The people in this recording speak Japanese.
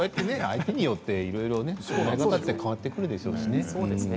相手によっていろいろ変わってくるでしょうね。